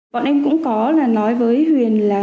bọn em cũng có là nói với huỳnh là